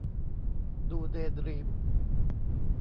ดู เดย์ ดรีม